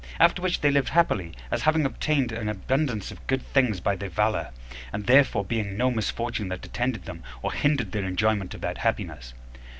After which they lived happily, as having obtained an abundance of good things by their valor, and there being no misfortune that attended them, or hindered their enjoyment of that happiness.